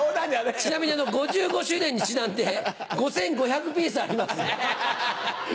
ちなみに５５周年にちなんで５５００ピースあります。